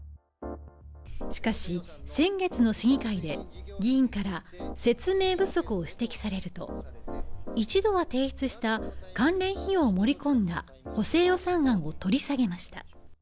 しかし、先月の市議会で議員から説明不足を指摘されると一度は提出した関連費用を盛り込んだ補正予算案を取り下げました。